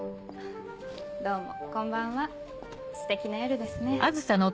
どうもこんばんはステキな夜ですね。